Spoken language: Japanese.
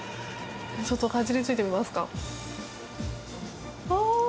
ちょっとかじりついてみますか。